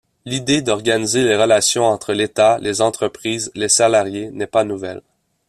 L'idée d'organiser les relations entre l'État, les entreprises, les salariés n'est pas nouvelle.